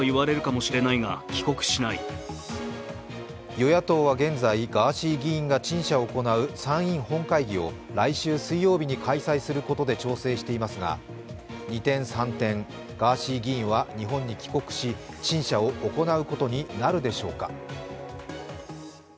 与野党は現在、ガーシー議員が陳謝を行う参院本会議を来週水曜日に開催することで調整していますが二転三転、ガーシー議員は日本に帰国し、陳謝を行うことになるでしょうか。